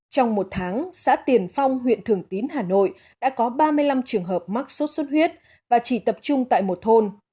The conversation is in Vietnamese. trong một tháng xã tiền phong huyện thường tín hà nội đã có ba mươi năm trường hợp mắc sốt xuất huyết và chỉ tập trung tại một thôn